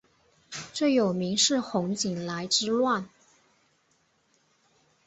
最有名是洪景来之乱。